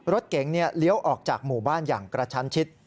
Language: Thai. รถเก๋งเลี้ยวออกจากหมู่บ้านอย่างกระชั้นชิด